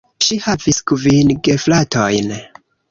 Ŝi havis kvin gefratojn.